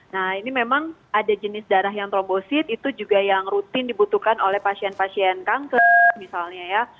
nah ini memang ada jenis darah yang trombosit itu juga yang rutin dibutuhkan oleh pasien pasien kanker misalnya ya